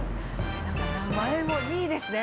名前もいいですね。